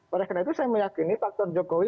oleh karena itu saya meyakini faktor jokowi